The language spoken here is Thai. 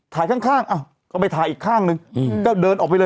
ข้างข้างอ้าวก็ไปถ่ายอีกข้างนึงก็เดินออกไปเลย